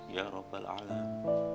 ya rabbal alam